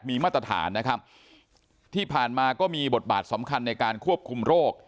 มีมาตรฐานนะครับที่ผ่านมาก็มีบทบาทสำคัญในการควบคุมโรค